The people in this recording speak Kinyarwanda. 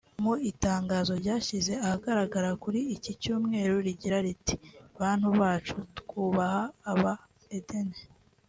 Mu itangazo ryashyize ahagaragara kuri iki Cyumweru rigira riti “Bantu bacu twubaha ba Aden